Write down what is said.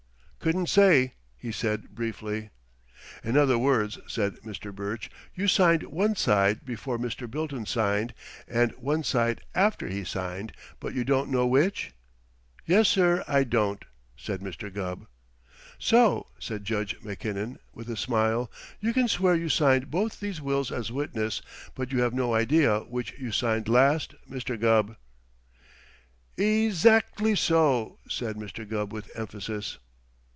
"Couldn't say," he said briefly. "In other words," said Mr. Burch, "you signed one side before Mr. Bilton signed and one side after he signed, but you don't know which?" "Yes, sir, I don't," said Mr. Gubb. "So," said Judge Mackinnon, with a smile, "you can swear you signed both these wills as witness, but you have no idea which you signed last, Mr. Gubb." "E zactly so!" said Mr. Gubb with emphasis.